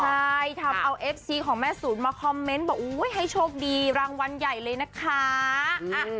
ใช่ทำเอาเอฟซีของแม่ศูนย์มาคอมเมนต์บอกให้โชคดีรางวัลใหญ่เลยนะคะ